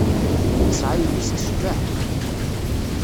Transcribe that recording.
Yesɛa yelli-s tecbeḥ.